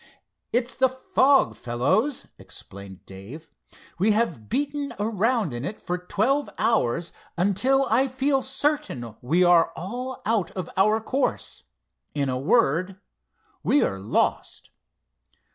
"It's the fog, fellows," explained Dave. "We have beaten around in it for twelve hours, until I feel certain we are all out of our course. In a word, we are lost."